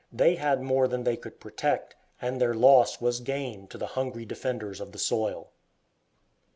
They had more than they could protect, and their loss was gain to the hungry defenders of the soil.